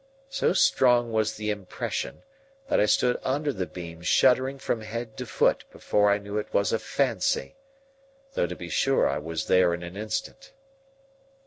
So strong was the impression, that I stood under the beam shuddering from head to foot before I knew it was a fancy,—though to be sure I was there in an instant.